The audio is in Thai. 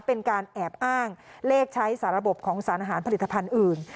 เป็นการแอบอ้างเลขใช้สารบของสารอาหารผลิตภัณฑ์อื่น